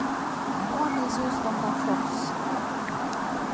Broie mes os dans ta force.